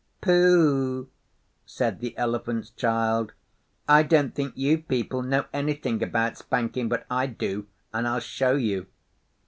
'Pooh,' said the Elephant's Child. 'I don't think you peoples know anything about spanking; but I do, and I'll show you.